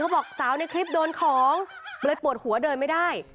บอกสาวในคลิปโดนของเลยปวดหัวเดินไม่ได้